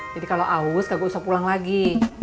jadi kalau aus gak usah gue pulang lagi